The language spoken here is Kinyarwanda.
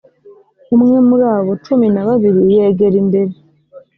umwe muri abo cumi na babiri yegera imbere